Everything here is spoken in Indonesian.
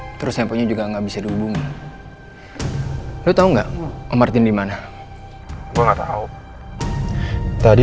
malem terus yang punya juga nggak bisa dihubung lu tahu enggak om martin dimana gua nggak tahu tadi